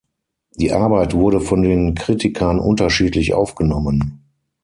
Die Arbeit wurde von den Kritikern unterschiedlich aufgenommen.